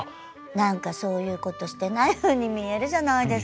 何かそういうことしてないふうに見えるじゃないですか。